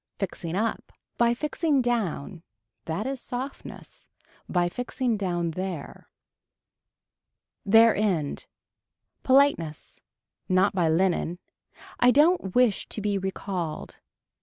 Fixing up. By fixing down, that is softness, by fixing down there. Their end. Politeness. Not by linen. I don't wish to be recalled.